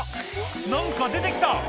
何か出て来た！